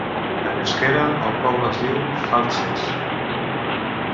En eusquera, el poble es diu Faltzes.